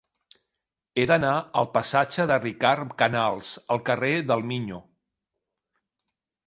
He d'anar del passatge de Ricard Canals al carrer del Miño.